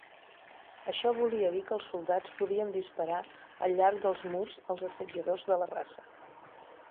Això volia dir que els soldats podien disparar al llarg dels murs als assetjadors de la rasa.